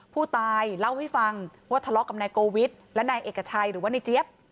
ผู้ตายเล่าให้ฟังว่าทะเลาะกับนายโกวิทและนายเอกชัยหรือว่านายเจี๊ยบ